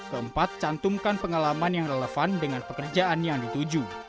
keempat cantumkan pengalaman yang relevan dengan pekerjaan yang dituju